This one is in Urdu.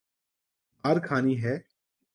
مار کھانی ہے؟